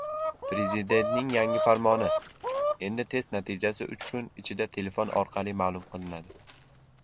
Prezidentning yangi farmoni: endi test natijasi uch kun ichida telefon orqali ma’lum qilinadi